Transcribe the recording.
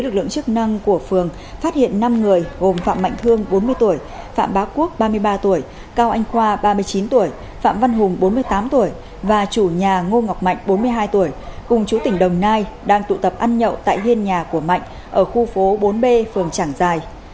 lực lượng chức năng của phường phát hiện năm người gồm phạm mạnh thương bốn mươi tuổi phạm bá quốc ba mươi ba tuổi cao anh khoa ba mươi chín tuổi phạm văn hùng bốn mươi tám tuổi và chủ nhà ngô ngọc mạnh bốn mươi hai tuổi cùng chú tỉnh đồng nai đang tụ tập ăn nhậu tại hiên nhà của mạnh ở khu phố bốn b phường trảng giài